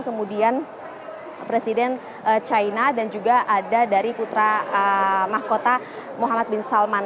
kemudian presiden china dan juga ada dari putra mahkota muhammad bin salman